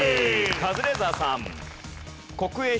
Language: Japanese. カズレーザーさん。